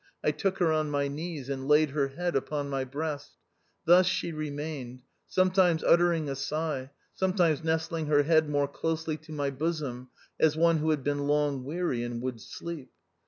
I took her on my knees, and laid her head upon my breast. Tims she remained — sometimes uttering a sigh, sometimes nestling her head more closely to my bosom, as one who had been long weary and would sleep.